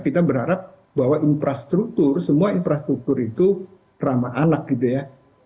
kita berharap bahwa infrastruktur semua infrastruktur itu ramah anak gitu ya